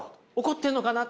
怒ってるのかな？